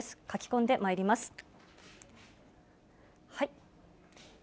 書き込んでまいります。